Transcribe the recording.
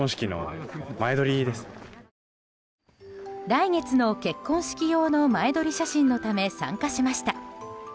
来月の結婚式用の前撮り写真のため参加しました。